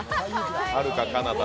はるかかなた